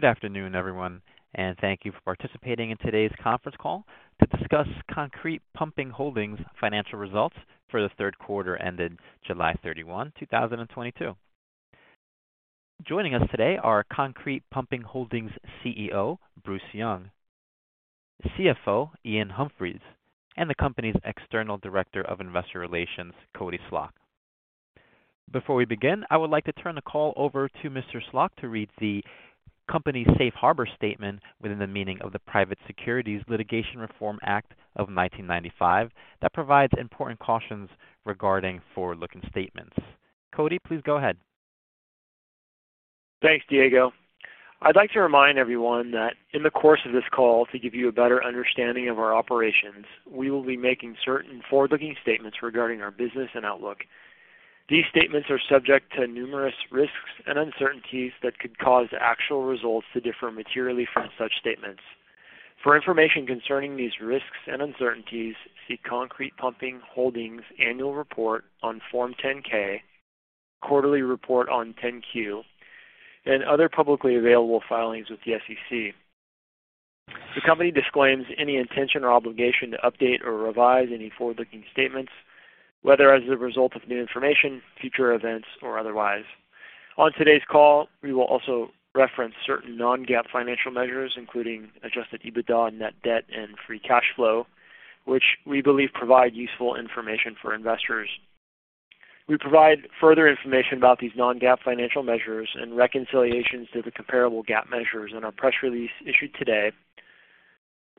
Good afternoon, everyone, and thank you for participating in today's conference call to discuss Concrete Pumping Holdings financial results for the third quarter ended July 31, 2022. Joining us today are Concrete Pumping Holdings CEO, Bruce Young; CFO, Iain Humphries, and the company's External Director of Investor Relations, Cody Slach. Before we begin, I would like to turn the call over to Mr. Slach to read the company's safe harbor statement within the meaning of the Private Securities Litigation Reform Act of 1995 that provides important cautions regarding forward-looking statements. Cody, please go ahead. Thanks, Diego. I'd like to remind everyone that in the course of this call, to give you a better understanding of our operations, we will be making certain forward-looking statements regarding our business and outlook. These statements are subject to numerous risks and uncertainties that could cause actual results to differ materially from such statements. For information concerning these risks and uncertainties, see Concrete Pumping Holdings annual report on Form 10-K, quarterly report on 10-Q, and other publicly available filings with the SEC. The company disclaims any intention or obligation to update or revise any forward-looking statements, whether as a result of new information, future events, or otherwise. On today's call, we will also reference certain non-GAAP financial measures, including Adjusted EBITDA, net debt, and free cash flow, which we believe provide useful information for investors. We provide further information about these non-GAAP financial measures and reconciliations to the comparable GAAP measures in our press release issued today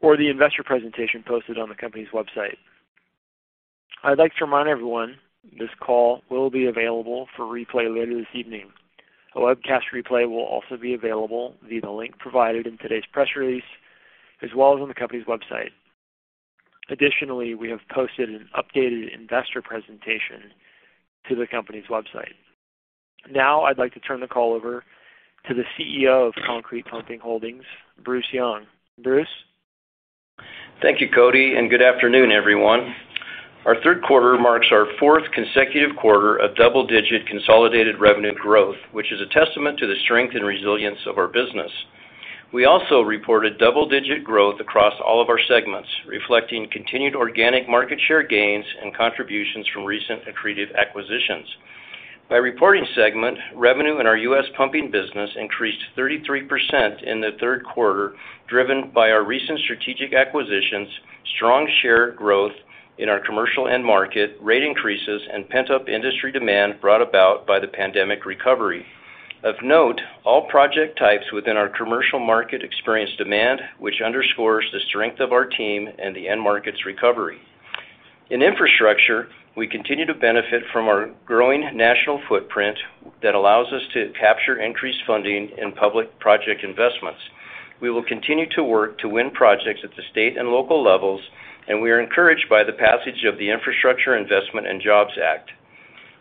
or the investor presentation posted on the company's website. I'd like to remind everyone this call will be available for replay later this evening. A webcast replay will also be available via the link provided in today's press release, as well as on the company's website. Additionally, we have posted an updated investor presentation to the company's website. Now, I'd like to turn the call over to the CEO of Concrete Pumping Holdings, Bruce Young. Bruce? Thank you, Cody, and good afternoon, everyone. Our third quarter marks our fourth consecutive quarter of double-digit consolidated revenue growth, which is a testament to the strength and resilience of our business. We also reported double-digit growth across all of our segments, reflecting continued organic market share gains and contributions from recent accretive acquisitions. By reporting segment, revenue in our U.S. pumping business increased 33% in the third quarter, driven by our recent strategic acquisitions, strong share growth in our commercial end market, rate increases, and pent-up industry demand brought about by the pandemic recovery. Of note, all project types within our commercial market experienced demand, which underscores the strength of our team and the end market's recovery. In infrastructure, we continue to benefit from our growing national footprint that allows us to capture increased funding in public project investments. We will continue to work to win projects at the state and local levels, and we are encouraged by the passage of the Infrastructure Investment and Jobs Act.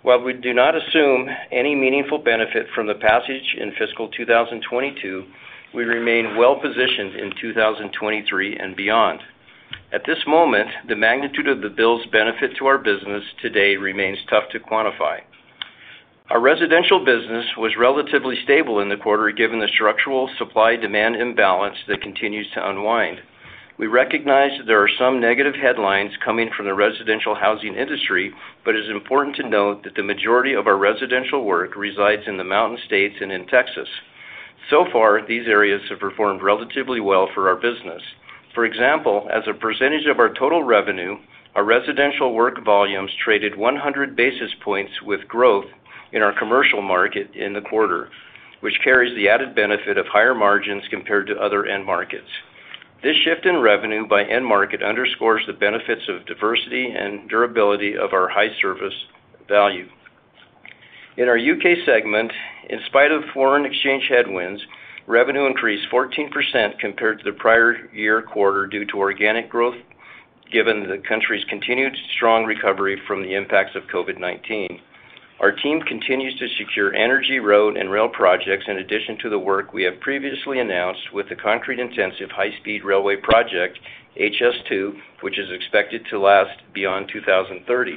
While we do not assume any meaningful benefit from the passage in fiscal 2022, we remain well positioned in 2023 and beyond. At this moment, the magnitude of the bill's benefit to our business today remains tough to quantify. Our residential business was relatively stable in the quarter given the structural supply-demand imbalance that continues to unwind. We recognize that there are some negative headlines coming from the residential housing industry, but it's important to note that the majority of our residential work resides in the Mountain States and in Texas. So far, these areas have performed relatively well for our business. For example, as a percentage of our total revenue, our residential work volumes traded 100 basis points with growth in our commercial market in the quarter, which carries the added benefit of higher margins compared to other end markets. This shift in revenue by end market underscores the benefits of diversity and durability of our high service value. In our UK segment, in spite of foreign exchange headwinds, revenue increased 14% compared to the prior year quarter due to organic growth, given the country's continued strong recovery from the impacts of COVID-19. Our team continues to secure energy, road, and rail projects in addition to the work we have previously announced with the concrete-intensive high-speed railway project, HS2, which is expected to last beyond 2030.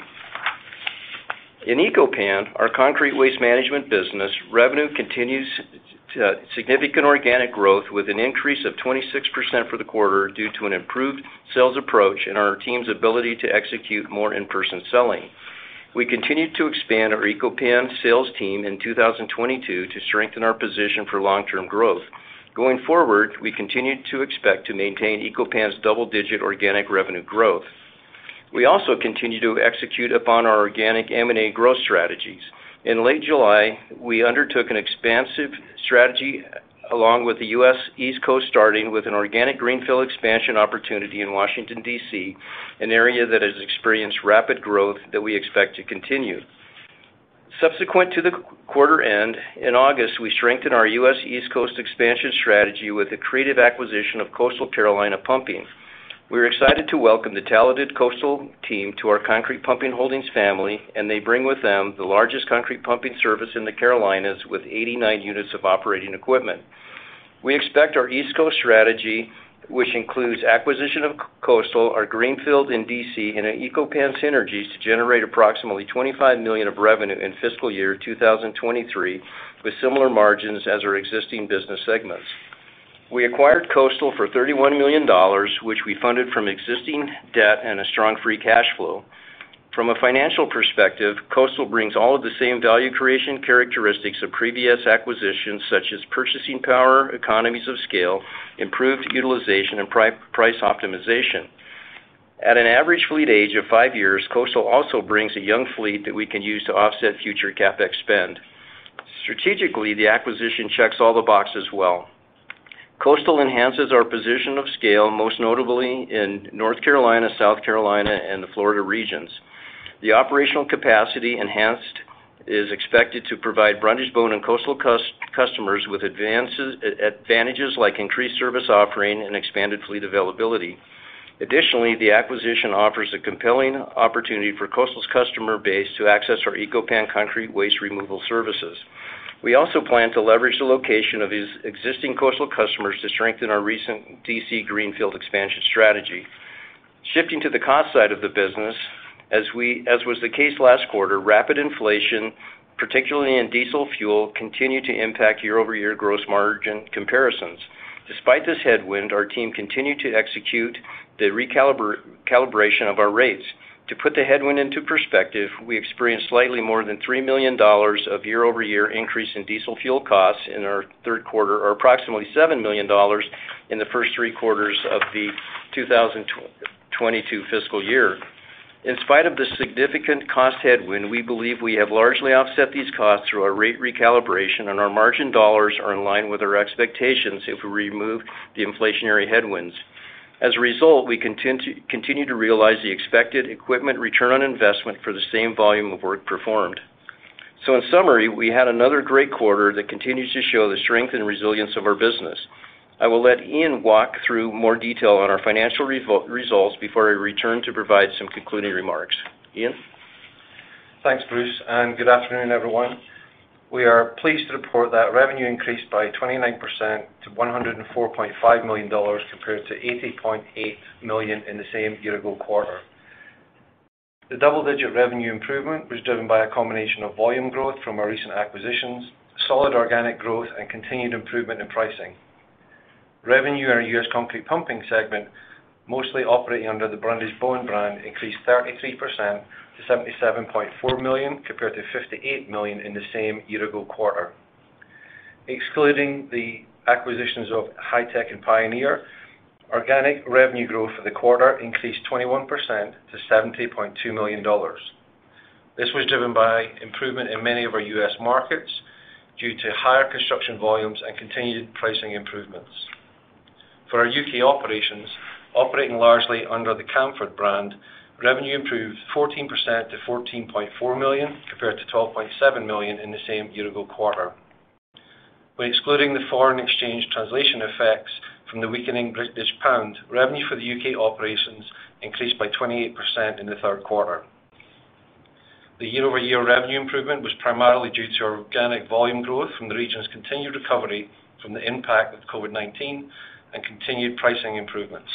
In Eco-Pan, our concrete waste management business, revenue continues significant organic growth with an increase of 26% for the quarter due to an improved sales approach and our team's ability to execute more in-person selling. We continued to expand our Eco-Pan sales team in 2022 to strengthen our position for long-term growth. Going forward, we continue to expect to maintain Eco-Pan's double-digit organic revenue growth. We also continue to execute upon our organic M&A growth strategies. In late July, we undertook an expansion strategy along the US East Coast, starting with an organic greenfield expansion opportunity in Washington, D.C., an area that has experienced rapid growth that we expect to continue. Subsequent to the quarter end, in August, we strengthened our US East Coast expansion strategy with the accretive acquisition of Coastal Carolina Pumping. We're excited to welcome the talented Coastal team to our Concrete Pumping Holdings family, and they bring with them the largest concrete pumping service in the Carolinas with 89 units of operating equipment. We expect our East Coast strategy, which includes acquisition of Coastal, our greenfield in D.C., and Eco-Pan synergies, to generate approximately $25 million of revenue in fiscal year 2023, with similar margins as our existing business segments. We acquired Coastal for $31 million, which we funded from existing debt and a strong free cash flow. From a financial perspective, Coastal brings all of the same value creation characteristics of previous acquisitions, such as purchasing power, economies of scale, improved utilization, and price optimization. At an average fleet age of five years, Coastal also brings a young fleet that we can use to offset future CapEx spend. Strategically, the acquisition checks all the boxes well. Coastal enhances our position of scale, most notably in North Carolina, South Carolina, and the Florida regions. The operational capacity enhanced is expected to provide Brundage-Bone and Coastal customers with advantages like increased service offering and expanded fleet availability. Additionally, the acquisition offers a compelling opportunity for Coastal's customer base to access our Eco-Pan concrete waste removal services. We also plan to leverage the location of these existing Coastal customers to strengthen our recent D.C. greenfield expansion strategy. Shifting to the cost side of the business, as was the case last quarter, rapid inflation, particularly in diesel fuel, continued to impact year-over-year gross margin comparisons. Despite this headwind, our team continued to execute the recalibration of our rates. To put the headwind into perspective, we experienced slightly more than $3 million of year-over-year increase in diesel fuel costs in our third quarter, or approximately $7 million in the first three quarters of the 2022 fiscal year. In spite of the significant cost headwind, we believe we have largely offset these costs through our rate recalibration, and our margin dollars are in line with our expectations if we remove the inflationary headwinds. As a result, we continue to realize the expected equipment return on investment for the same volume of work performed. In summary, we had another great quarter that continues to show the strength and resilience of our business. I will let Iain walk through more detail on our financial results before I return to provide some concluding remarks. Iain? Thanks, Bruce, and good afternoon, everyone. We are pleased to report that revenue increased by 29% to $104.5 million, compared to $80.8 million in the same year-ago quarter. The double-digit revenue improvement was driven by a combination of volume growth from our recent acquisitions, solid organic growth, and continued improvement in pricing. Revenue in our U.S. concrete pumping segment, mostly operating under the Brundage-Bone brand, increased 33% to $77.4 million, compared to $58 million in the same year-ago quarter. Excluding the acquisitions of Hi-Tech and Pioneer, organic revenue growth for the quarter increased 21% to $70.2 million. This was driven by improvement in many of our US markets due to higher construction volumes and continued pricing improvements. For our UK operations, operating largely under the Camfaud brand, revenue improved 14% to $14.4 million, compared to $12.7 million in the same year-ago quarter. When excluding the foreign exchange translation effects from the weakening British pound, revenue for the UK operations increased by 28% in the third quarter. The year-over-year revenue improvement was primarily due to organic volume growth from the region's continued recovery from the impact of COVID-19 and continued pricing improvements.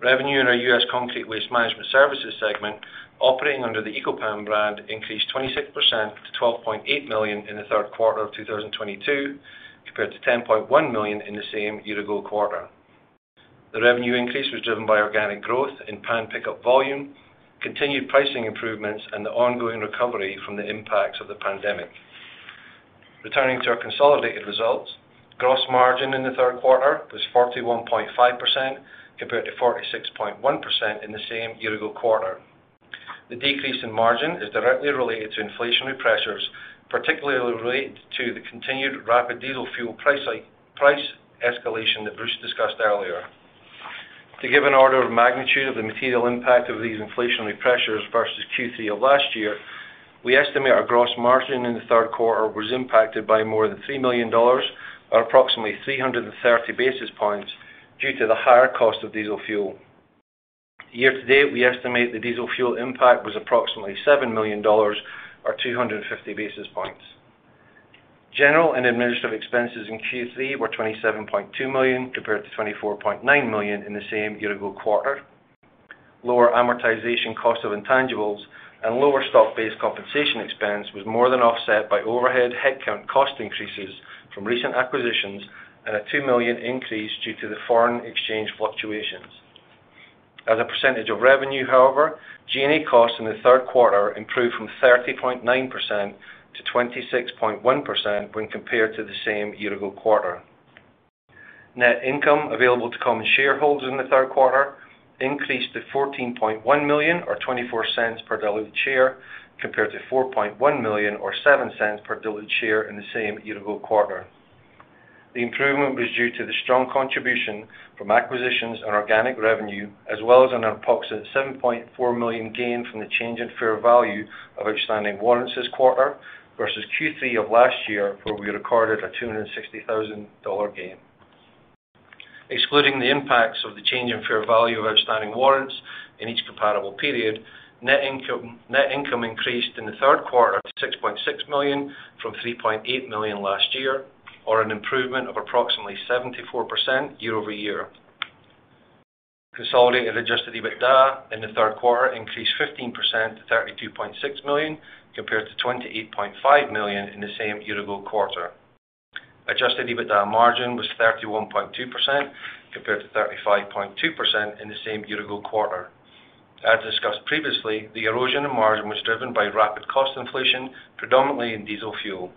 Revenue in our US Concrete Waste Management Services segment, operating under the Eco-Pan brand, increased 26% to $12.8 million in the third quarter of 2022, compared to $10.1 million in the same year-ago quarter. The revenue increase was driven by organic growth in pan pickup volume, continued pricing improvements, and the ongoing recovery from the impacts of the pandemic. Returning to our consolidated results, gross margin in the third quarter was 41.5%, compared to 46.1% in the same year-ago quarter. The decrease in margin is directly related to inflationary pressures, particularly related to the continued rapid diesel fuel price escalation that Bruce discussed earlier. To give an order of magnitude of the material impact of these inflationary pressures versus Q3 of last year, we estimate our gross margin in the third quarter was impacted by more than $3 million, or approximately 330 basis points, due to the higher cost of diesel fuel. Year-to-date, we estimate the diesel fuel impact was approximately $7 million, or 250 basis points. General and administrative expenses in Q3 were $27.2 million, compared to $24.9 million in the same year-ago quarter. Lower amortization cost of intangibles and lower stock-based compensation expense was more than offset by overhead headcount cost increases from recent acquisitions and a $2 million increase due to the foreign exchange fluctuations. As a percentage of revenue, however, G&A costs in the third quarter improved from 30.9% to 26.1% when compared to the same year-ago quarter. Net income available to common shareholders in the third quarter increased to $14.1 million, or $0.24 per diluted share, compared to $4.1 million, or $0.07 per diluted share in the same year-ago quarter. The improvement was due to the strong contribution from acquisitions on organic revenue, as well as an approximate $7.4 million gain from the change in fair value of outstanding warrants this quarter versus Q3 of last year, where we recorded a $260,000 gain. Excluding the impacts of the change in fair value of outstanding warrants in each comparable period, net income increased in the third quarter to $6.6 million from $3.8 million last year, or an improvement of approximately 74% year-over-year. Consolidated Adjusted EBITDA in the third quarter increased 15% to $32.6 million, compared to $28.5 million in the same year-ago quarter. Adjusted EBITDA margin was 31.2% compared to 35.2% in the same year-ago quarter. As discussed previously, the erosion in margin was driven by rapid cost inflation, predominantly in diesel fuel.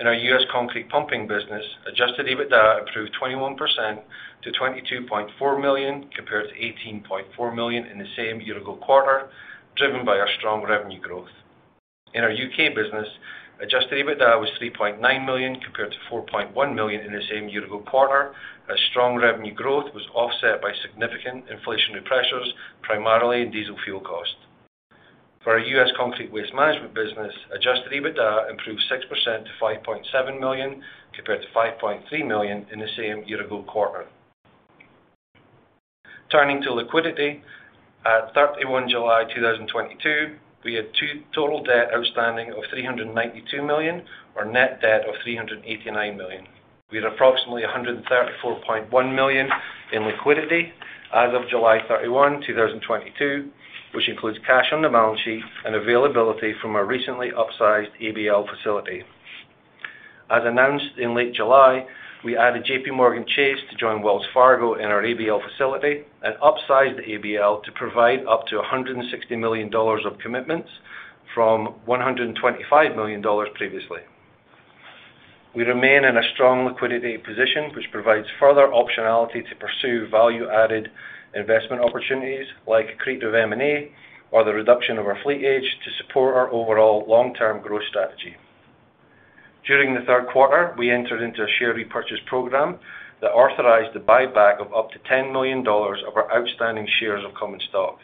In our US concrete pumping business, adjusted EBITDA improved 21% to $22.4 million compared to $18.4 million in the same year-ago quarter, driven by our strong revenue growth. In our U.K. business, adjusted EBITDA was $3.9 million compared to $4.1 million in the same year-ago quarter as strong revenue growth was offset by significant inflationary pressures, primarily in diesel fuel cost. For our US concrete waste management business, Adjusted EBITDA improved 6% to $5.7 million compared to $5.3 million in the same year-ago quarter. Turning to liquidity, at July 31, 2022, we had total debt outstanding of $392 million or net debt of $389 million. We had approximately $134.1 million in liquidity as of July 31, 2022, which includes cash on the balance sheet and availability from our recently upsized ABL facility. As announced in late July, we added JPMorgan Chase to join Wells Fargo in our ABL facility and upsized the ABL to provide up to $160 million of commitments from $125 million previously. We remain in a strong liquidity position, which provides further optionality to pursue value-added investment opportunities like accretive M&A or the reduction of our fleet age to support our overall long-term growth strategy. During the third quarter, we entered into a share repurchase program that authorized the buyback of up to $10 million of our outstanding shares of common stock.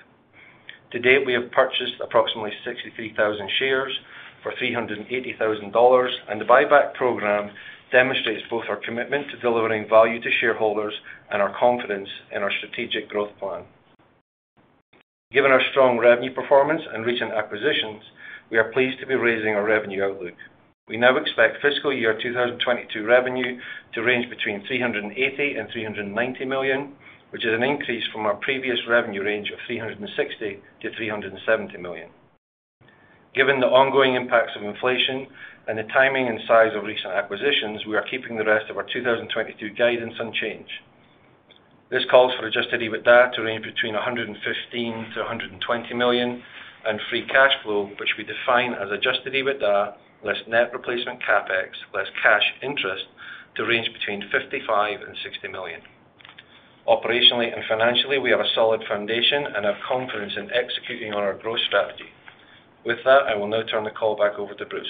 To date, we have purchased approximately 63,000 shares for $380,000, and the buyback program demonstrates both our commitment to delivering value to shareholders and our confidence in our strategic growth plan. Given our strong revenue performance and recent acquisitions, we are pleased to be raising our revenue outlook. We now expect fiscal year 2022 revenue to range between $380 million-$390 million, which is an increase from our previous revenue range of $360 million-$370 million. Given the ongoing impacts of inflation and the timing and size of recent acquisitions, we are keeping the rest of our 2022 guidance unchanged. This calls for Adjusted EBITDA to range between $115-$120 million, and free cash flow, which we define as Adjusted EBITDA, less net replacement CapEx, less cash interest, to range between $55 million and $60 million. Operationally and financially, we have a solid foundation and have confidence in executing on our growth strategy. With that, I will now turn the call back over to Bruce.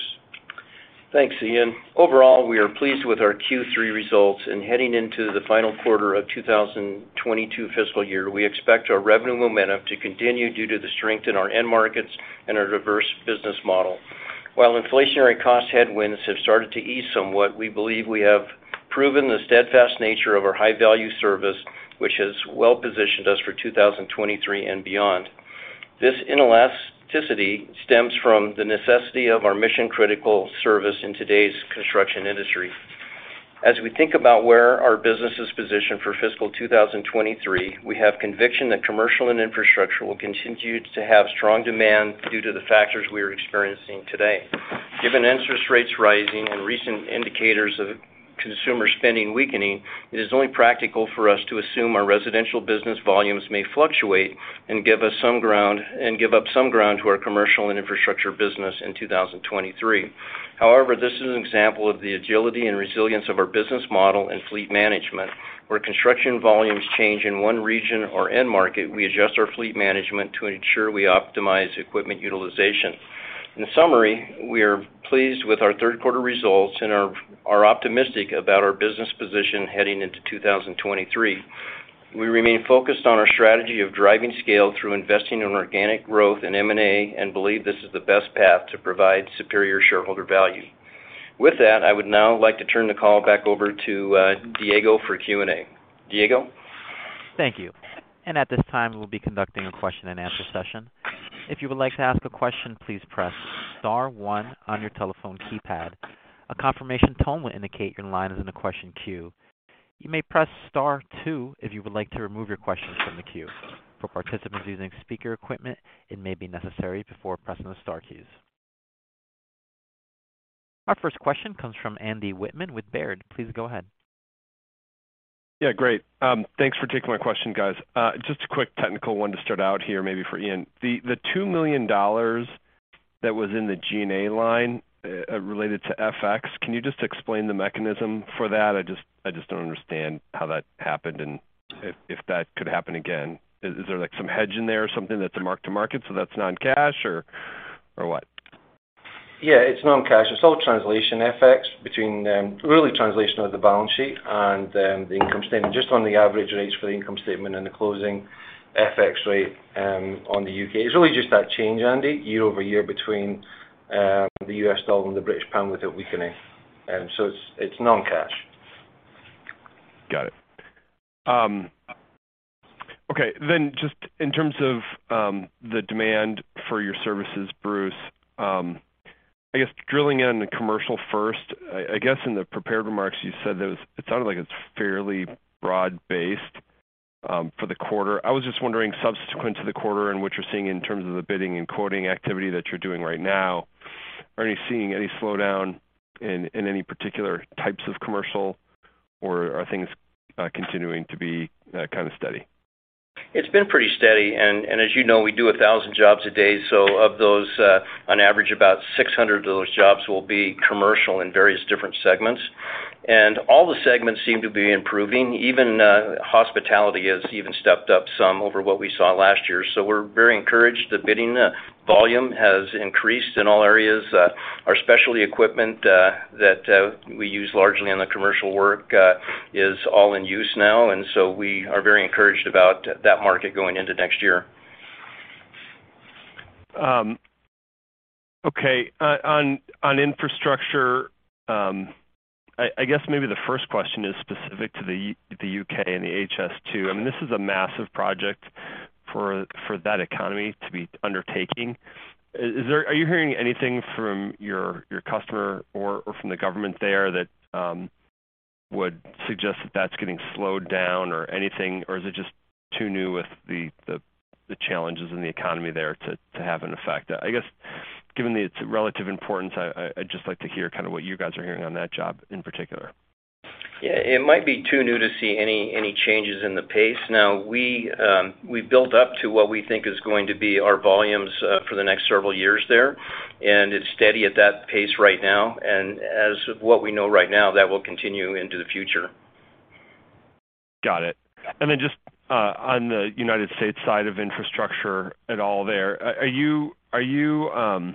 Thanks, Iain. Overall, we are pleased with our Q3 results and heading into the final quarter of 2022 fiscal year, we expect our revenue momentum to continue due to the strength in our end markets and our diverse business model. While inflationary cost headwinds have started to ease somewhat, we believe we have proven the steadfast nature of our high-value service, which has well-positioned us for 2023 and beyond. This inelasticity stems from the necessity of our mission-critical service in today's construction industry. As we think about where our business is positioned for fiscal 2023, we have conviction that commercial and infrastructure will continue to have strong demand due to the factors we are experiencing today. Given interest rates rising and recent indicators of consumer spending weakening, it is only practical for us to assume our residential business volumes may fluctuate and give up some ground to our commercial and infrastructure business in 2023. However, this is an example of the agility and resilience of our business model and fleet management. Where construction volumes change in one region or end market, we adjust our fleet management to ensure we optimize equipment utilization. In summary, we are pleased with our third quarter results and are optimistic about our business position heading into 2023. We remain focused on our strategy of driving scale through investing in organic growth and M&A and believe this is the best path to provide superior shareholder value. With that, I would now like to turn the call back over to Diego for Q&A. Diego? Thank you. At this time, we'll be conducting a question-and-answer session. If you would like to ask a question, please press star one on your telephone keypad. A confirmation tone will indicate your line is in the question queue. You may press star two if you would like to remove your question from the queue. For participants using speaker equipment, it may be necessary before pressing the star keys. Our first question comes from Andy Wittmann with Baird. Please go ahead. Yeah, great. Thanks for taking my question, guys. Just a quick technical one to start out here maybe for Iain. The $2 million that was in the G&A line related to FX, can you just explain the mechanism for that? I just don't understand how that happened and if that could happen again. Is there, like, some hedge in there or something that's a mark-to-market, so that's non-cash or what? Yeah, it's non-cash. It's all translation FX between, really translation of the balance sheet and, the income statement, just on the average rates for the income statement and the closing FX rate, on the UK. It's really just that change, Andy, year-over-year between, the US dollar and the British pound with it weakening. So it's non-cash. Got it. Okay. Just in terms of the demand for your services, Bruce. I guess drilling in the commercial first. I guess in the prepared remarks, you said that it was, it sounded like it's fairly broad-based for the quarter. I was just wondering, subsequent to the quarter and what you're seeing in terms of the bidding and quoting activity that you're doing right now, are you seeing any slowdown in any particular types of commercial, or are things continuing to be kind of steady? It's been pretty steady. As you know, we do 1,000 jobs a day. Of those, on average, about 600 of those jobs will be commercial in various different segments. All the segments seem to be improving. Even hospitality has even stepped up some over what we saw last year. We're very encouraged. The bidding volume has increased in all areas. Our specialty equipment that we use largely in the commercial work is all in use now, and so we are very encouraged about that market going into next year. Okay. On infrastructure, I guess maybe the first question is specific to the U.K. and the HS2. I mean, this is a massive project for that economy to be undertaking. Are you hearing anything from your customer or from the government there that would suggest that that's getting slowed down or anything? Or is it just too new with the challenges in the economy there to have an effect? I guess, given its relative importance, I'd just like to hear kind of what you guys are hearing on that job in particular. Yeah, it might be too new to see any changes in the pace. Now we've built up to what we think is going to be our volumes for the next several years there, and it's steady at that pace right now. As of what we know right now, that will continue into the future. Got it. Just on the United States side of infrastructure at all there. It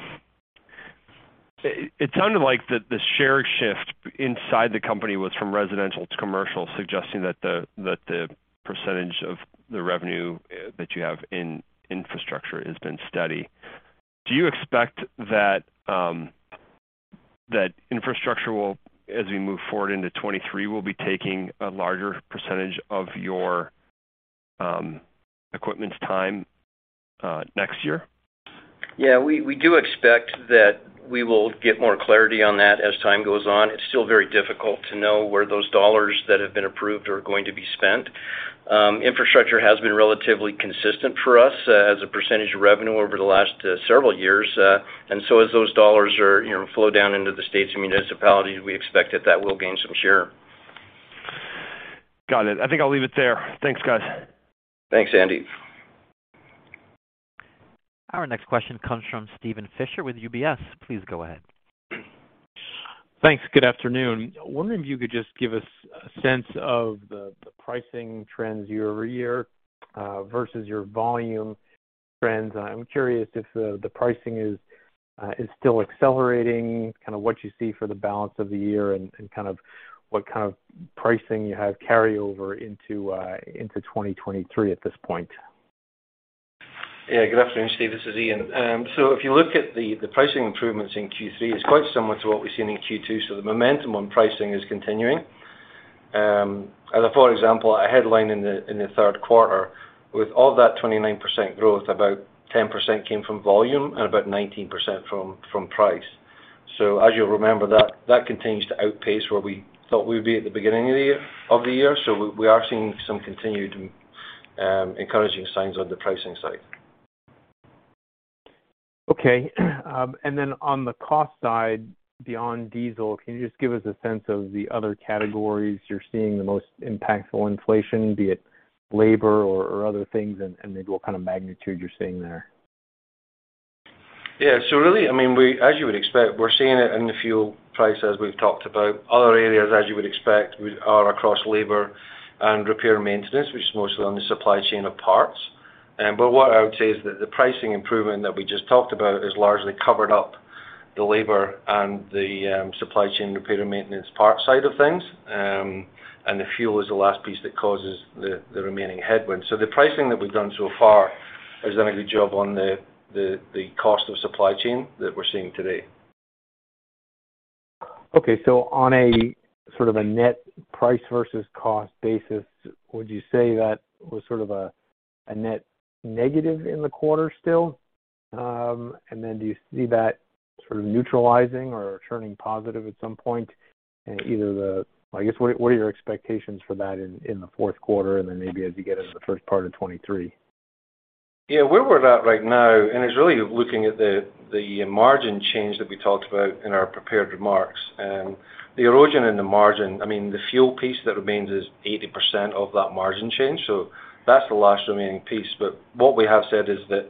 sounded like that the share shift inside the company was from residential to commercial, suggesting that the percentage of the revenue that you have in infrastructure has been steady. Do you expect that infrastructure will, as we move forward into 2023, be taking a larger percentage of your equipment time next year? Yeah, we do expect that we will get more clarity on that as time goes on. It's still very difficult to know where those dollars that have been approved are going to be spent. Infrastructure has been relatively consistent for us as a percentage of revenue over the last several years. As those dollars are, you know, flow down into the states and municipalities, we expect that that will gain some share. Got it. I think I'll leave it there. Thanks, guys. Thanks, Andy. Our next question comes from Steven Fisher with UBS. Please go ahead. Thanks. Good afternoon. I'm wondering if you could just give us a sense of the pricing trends year-over-year versus your volume trends. I'm curious if the pricing is still accelerating, kind of what you see for the balance of the year and kind of what kind of pricing you have carryover into 2023 at this point. Good afternoon, Steve. This is Iain. If you look at the pricing improvements in Q3, it's quite similar to what we've seen in Q2. The momentum on pricing is continuing. For example, a headline in the third quarter, with all that 29% growth, about 10% came from volume and about 19% from price. As you'll remember, that continues to outpace where we thought we'd be at the beginning of the year. We are seeing some continued encouraging signs on the pricing side. Okay. On the cost side, beyond diesel, can you just give us a sense of the other categories you're seeing the most impactful inflation, be it labor or other things, and maybe what kind of magnitude you're seeing there? Yeah. Really, I mean, as you would expect, we're seeing it in the fuel price as we've talked about. Other areas, as you would expect, are across labor and repair and maintenance, which is mostly on the supply chain of parts. What I would say is that the pricing improvement that we just talked about has largely covered up the labor and the supply chain repair and maintenance parts side of things. The fuel is the last piece that causes the remaining headwind. The pricing that we've done so far has done a good job on the cost of supply chain that we're seeing today. Okay. On a sort of net price versus cost basis, would you say that was sort of a net negative in the quarter still? Then do you see that sort of neutralizing or turning positive at some point? I guess, what are your expectations for that in the fourth quarter and then maybe as you get into the first part of 2023? Yeah. Where we're at right now, and it's really looking at the margin change that we talked about in our prepared remarks. The erosion in the margin, I mean, the fuel piece that remains is 80% of that margin change, so that's the last remaining piece. But what we have said is that,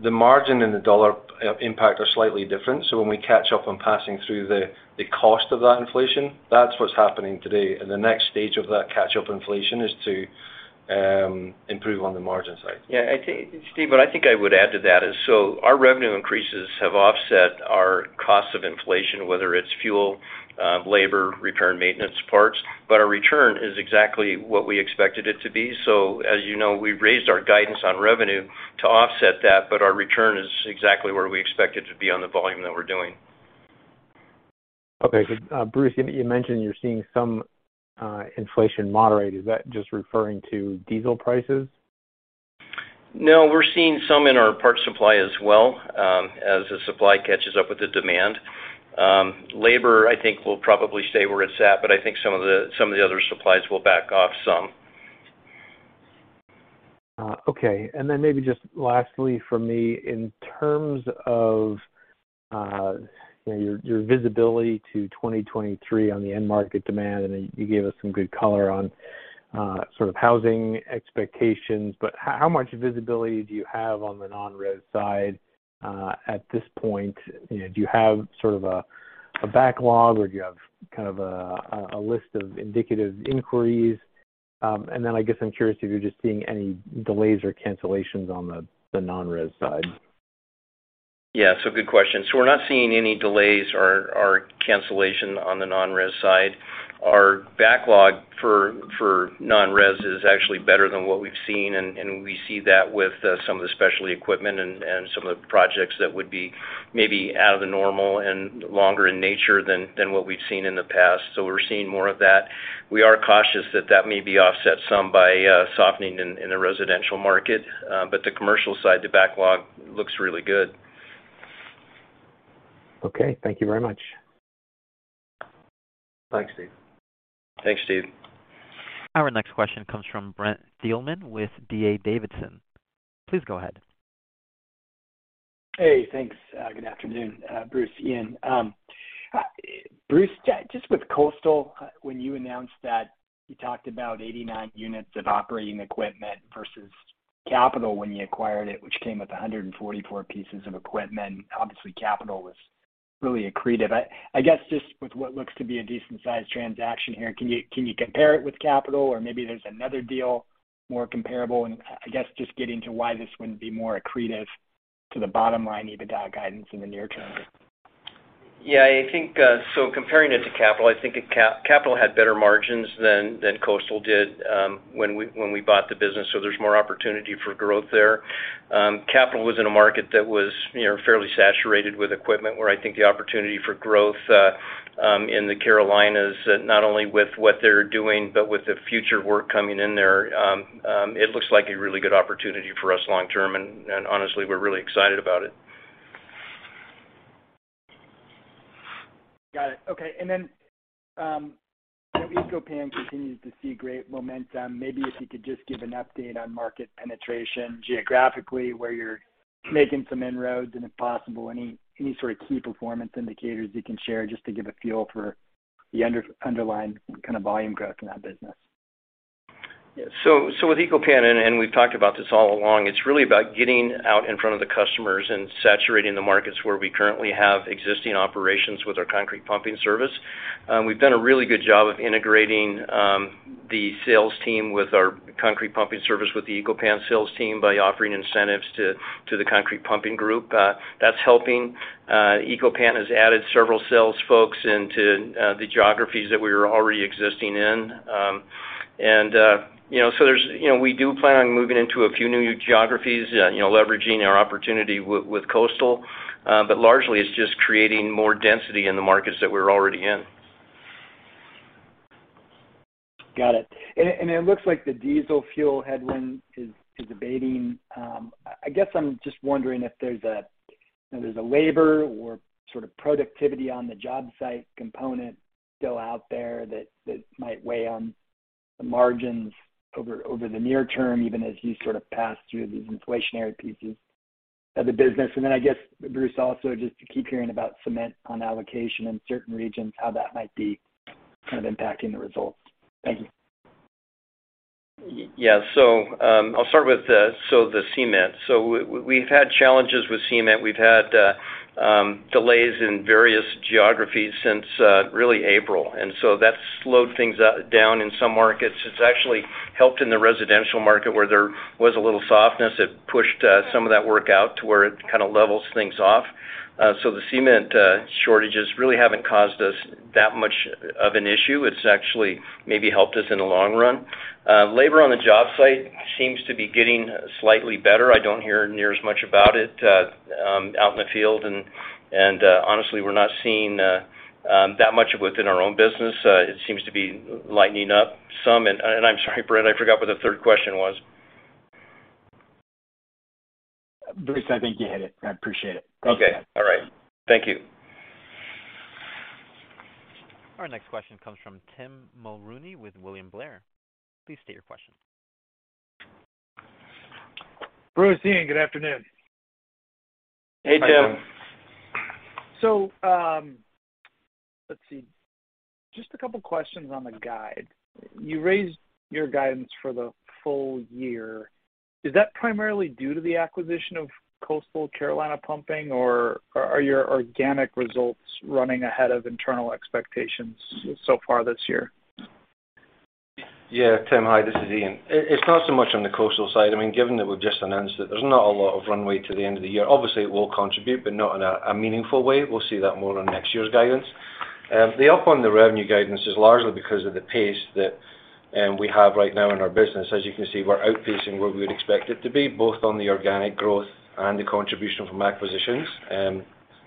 the margin and the dollar impact are slightly different. So when we catch up on passing through the cost of that inflation, that's what's happening today. The next stage of that catch-up inflation is to improve on the margin side. Yeah, I think, Steve, what I think I would add to that is, so our revenue increases have offset our cost of inflation, whether it's fuel, labor, repair and maintenance parts, but our return is exactly what we expected it to be. As you know, we've raised our guidance on revenue to offset that, but our return is exactly where we expect it to be on the volume that we're doing. Okay. Bruce, you mentioned you're seeing some inflation moderate. Is that just referring to diesel prices? No, we're seeing some in our parts supply as well, as the supply catches up with the demand. Labor, I think will probably stay where it's at, but I think some of the other supplies will back off some. Okay. Maybe just lastly from me, in terms of you know, your visibility to 2023 on the end market demand, I know you gave us some good color on sort of housing expectations, but how much visibility do you have on the non-res side at this point? You know, do you have sort of a backlog or do you have kind of a list of indicative inquiries? I guess I'm curious if you're just seeing any delays or cancellations on the non-res side. Yeah. Good question. We're not seeing any delays or cancellation on the non-res side. Our backlog for non-res is actually better than what we've seen, and we see that with some of the specialty equipment and some of the projects that would be maybe out of the normal and longer in nature than what we've seen in the past. We're seeing more of that. We are cautious that may be offset some by softening in the residential market. But the commercial side, the backlog looks really good. Okay. Thank you very much. Thanks, Steve. Thanks, Steven. Our next question comes from Brent Thielman with D.A. Davidson. Please go ahead. Hey, thanks. Good afternoon, Bruce, Iain. Bruce, just with Coastal, when you announced that, you talked about 89 units of operating equipment versus Capital when you acquired it, which came with 144 pieces of equipment, obviously Capital was really accretive. I guess, just with what looks to be a decent-sized transaction here, can you compare it with Capital or maybe there's another deal more comparable? I guess just get into why this wouldn't be more accretive to the bottom line EBITDA guidance in the near term. Yeah, I think, comparing it to Capital, I think Capital had better margins than Coastal did, when we bought the business, so there's more opportunity for growth there. Capital was in a market that was, you know, fairly saturated with equipment, where I think the opportunity for growth in the Carolinas, not only with what they're doing, but with the future work coming in there, it looks like a really good opportunity for us long term. Honestly, we're really excited about it. Got it. Okay. You know, Eco-Pan continues to see great momentum. Maybe if you could just give an update on market penetration geographically, where you're making some inroads, and if possible, any sort of key performance indicators you can share just to give a feel for the underlying kind of volume growth in that business. Yeah. With Eco-Pan and we've talked about this all along, it's really about getting out in front of the customers and saturating the markets where we currently have existing operations with our concrete pumping service. We've done a really good job of integrating the sales team with our concrete pumping service with the Eco-Pan sales team by offering incentives to the concrete pumping group. That's helping. Eco-Pan has added several sales folks into the geographies that we were already existing in. You know, so there's you know we do plan on moving into a few new geographies, you know, leveraging our opportunity with Coastal. Largely it's just creating more density in the markets that we're already in. Got it. It looks like the diesel fuel headwind is abating. I guess I'm just wondering if there's a you know labor or sort of productivity on the job site component still out there that might weigh on the margins over the near term, even as you sort of pass through these inflationary pieces of the business. Then I guess, Bruce, also just to keep hearing about cement on allocation in certain regions, how that might be kind of impacting the results. Thank you. Yeah. I'll start with the cement. We've had challenges with cement. We've had delays in various geographies since really April, and that slowed things down in some markets. It's actually helped in the residential market where there was a little softness. It pushed some of that work out to where it kind of levels things off. The cement shortages really haven't caused us that much of an issue. It's actually maybe helped us in the long run. Labor on the job site seems to be getting slightly better. I don't hear near as much about it out in the field. Honestly, we're not seeing that much of it within our own business. It seems to be lightening up some. I'm sorry, Brent, I forgot what the third question was. Bruce, I think you hit it. I appreciate it. Okay. All right. Thank you. Our next question comes from Tim Mulrooney with William Blair. Please state your question. Bruce, Iain, good afternoon. Hey, Tim. Hi, Tim. Let's see. Just a couple of questions on the guide. You raised your guidance for the full year. Is that primarily due to the acquisition of Coastal Carolina Pumping or are your organic results running ahead of internal expectations so far this year? Yeah, Tim. Hi, this is Iain. It's not so much on the Coastal side. I mean, given that we've just announced it, there's not a lot of runways to the end of the year. Obviously, it will contribute, but not in a meaningful way. We'll see that more on next year's guidance. The up on the revenue guidance is largely because of the pace that We have right now in our business, as you can see, we're outpacing where we would expect it to be, both on the organic growth and the contribution from acquisitions,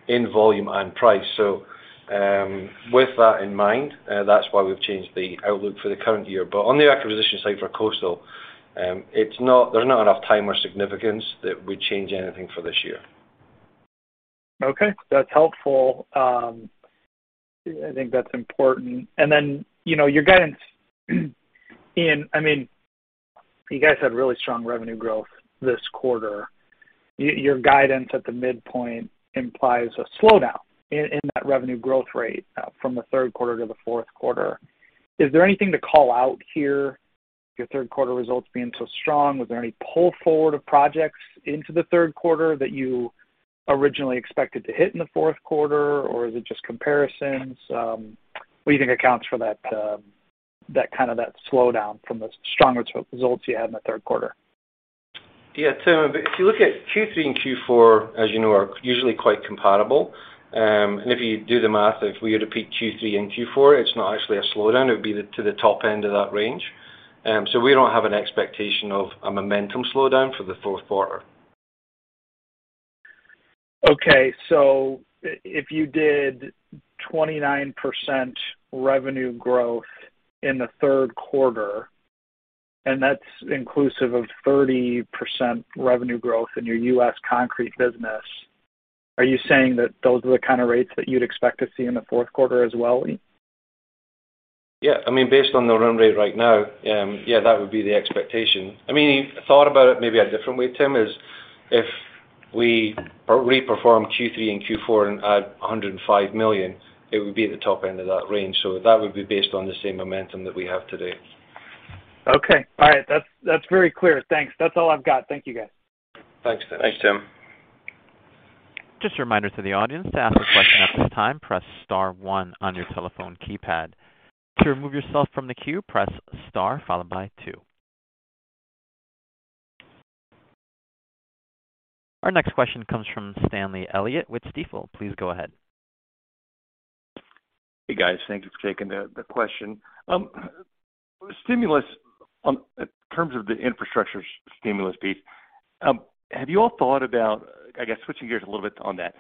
in volume and price. With that in mind, that's why we've changed the outlook for the current year. On the acquisition side for Coastal, there's not enough time or significance that would change anything for this year. Okay. That's helpful. I think that's important. You know, your guidance, I mean, you guys had really strong revenue growth this quarter. Your guidance at the midpoint implies a slowdown in that revenue growth rate from the third quarter to the fourth quarter. Is there anything to call out here, your third quarter results being so strong? Was there any pull forward of projects into the third quarter that you originally expected to hit in the fourth quarter, or is it just comparisons? What do you think accounts for that slowdown from the stronger results you had in the third quarter? Yeah. Tim, if you look at Q3 and Q4, as you know, are usually quite comparable. If you do the math, if we were to match Q3 and Q4, it's not actually a slowdown, it would be to the top end of that range. We don't have an expectation of a momentum slowdown for the fourth quarter. Okay. If you did 29% revenue growth in the third quarter, and that's inclusive of 30% revenue growth in your US concrete business, are you saying that those are the kind of rates that you'd expect to see in the fourth quarter as well? Yeah. I mean, based on the run rate right now, yeah, that would be the expectation. I mean, thought about it maybe a different way, Tim, is if we re-perform Q3 and Q4 and add $105 million, it would be at the top end of that range. That would be based on the same momentum that we have today. Okay. All right. That's very clear. Thanks. That's all I've got. Thank you, guys. Thanks, Tim. Thanks, Tim. Just a reminder to the audience, to ask a question at this time, press star one on your telephone keypad. To remove yourself from the queue, press star followed by two. Our next question comes from Stanley Elliott with Stifel. Please go ahead. Hey, guys. Thanks for taking the question. In terms of the infrastructure stimulus piece, have you all thought about, I guess, switching gears a little bit on that,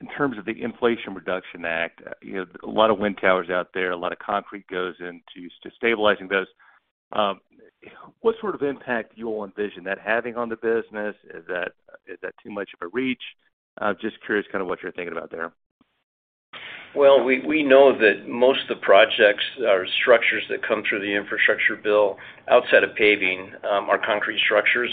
in terms of the Inflation Reduction Act, you have a lot of wind towers out there, a lot of concrete goes into to stabilizing those. What sort of impact do you all envision that having on the business? Is that too much of a reach? I'm just curious kinda what you're thinking about there. Well, we know that most of the projects are structures that come through the infrastructure bill outside of paving, are concrete structures.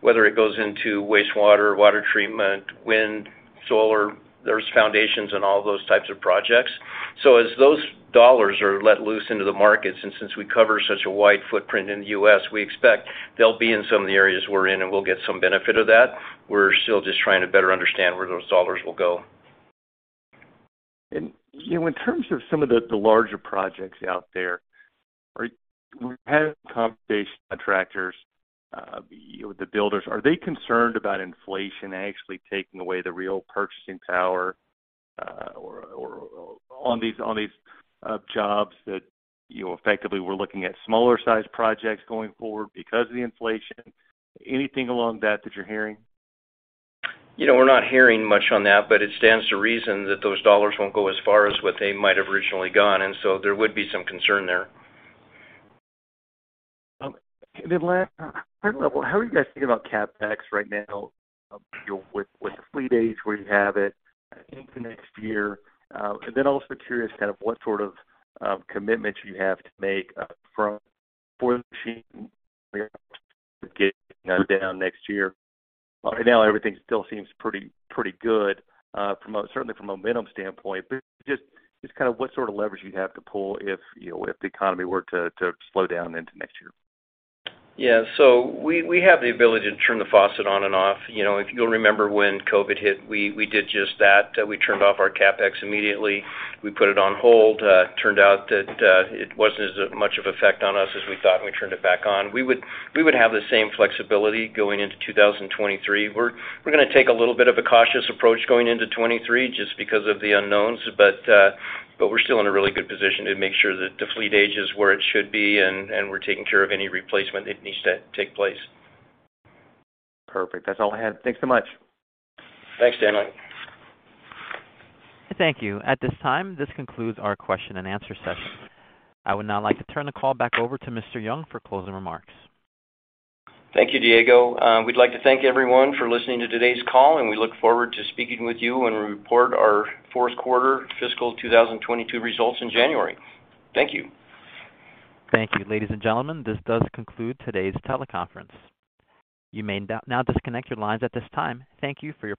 Whether it goes into wastewater, water treatment, wind, solar, there's foundations in all those types of projects. As those dollars are let loose into the markets, and since we cover such a wide footprint in the U.S., we expect they'll be in some of the areas we're in, and we'll get some benefit of that. We're still just trying to better understand where those dollars will go. You know, in terms of some of the larger projects out there, we've had conversations with contractors, you know, the builders, are they concerned about inflation actually taking away the real purchasing power, or on these jobs that, you know, effectively we're looking at smaller sized projects going forward because of the inflation? Anything along that that you're hearing? You know, we're not hearing much on that, but it stands to reason that those dollars won't go as far as what they might have originally gone, and so there would be some concern there. Last, how are you guys thinking about CapEx right now, you know, with the fleet age where you have it into next year? Also curious kind of what sort of commitments you have to make from before the machine get, you know, down next year. Right now, everything still seems pretty good, certainly from a momentum standpoint, but just kind of what sort of leverage you have to pull if, you know, if the economy were to slow down into next year. Yeah. We have the ability to turn the faucet on and off. You know, if you'll remember when COVID hit, we did just that, we turned off our CapEx immediately. We put it on hold. Turned out that it wasn't as much of effect on us as we thought, and we turned it back on. We would have the same flexibility going into 2023. We're gonna take a little bit of a cautious approach going into 2023 just because of the unknowns. We're still in a really good position to make sure that the fleet age is where it should be, and we're taking care of any replacement that needs to take place. Perfect. That's all I had. Thanks so much. Thanks, Stanley. Thank you. At this time, this concludes our question-and-answer session. I would now like to turn the call back over to Mr. Young for closing remarks. Thank you, Diego. We'd like to thank everyone for listening to today's call, and we look forward to speaking with you when we report our fourth quarter fiscal 2022 results in January. Thank you. Thank you. Ladies and gentlemen, this does conclude today's teleconference. You may now disconnect your lines at this time. Thank you for your participation.